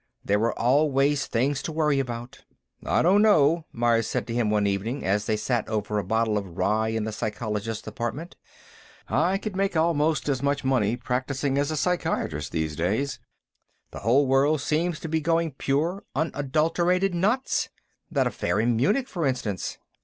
There were always things to worry about. "I don't know," Myers said to him, one evening, as they sat over a bottle of rye in the psychologist's apartment. "I could make almost as much money practicing as a psychiatrist, these days. The whole world seems to be going pure, unadulterated nuts! That affair in Munich, for instance."